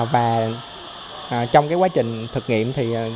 và trong quá trình thực nghiệm